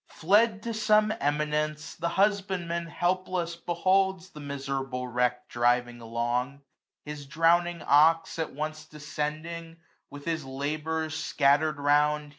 Fled to some eminence, the husbandman Helpless beholds the miserable wreck 345 Driving along j his drowning ox at once Descending, with his labours scatter'd round.